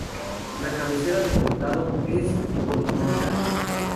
La cabecera del condado es Golconda.